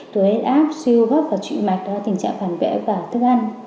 đối với áp siêu góp và trụi mạch đó là tình trạng phản vẽ và thức ăn